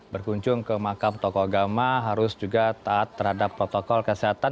berkunjung ke makam tokoh agama harus juga taat terhadap protokol kesehatan